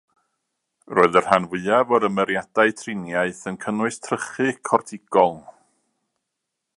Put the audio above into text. Roedd y rhan fwyaf o'r ymyriadau triniaeth yn cynnwys trychu cortigol.